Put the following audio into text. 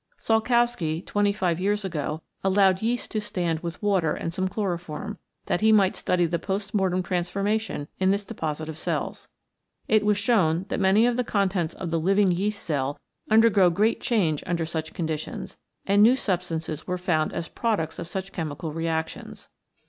Salkowski twenty five years ago allowed yeast to stand with water and some chloroform, that he might study the post mortem transformation in this deposit of cells. It was shown that many of the contents of the living yeast cell undergo great change under such conditions, and new substances were found as products of such chemical reactions.